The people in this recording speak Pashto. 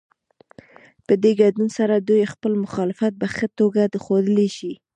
په دې ګډون سره دوی خپل مخالفت په ښه توګه ښودلی شي.